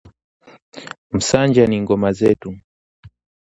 Msanja ni ngoma zetu